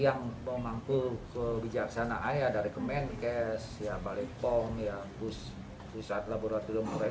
yang mau mampu kebijaksanaan ya ada rekomendasi ya balikpong ya pusat laboratorium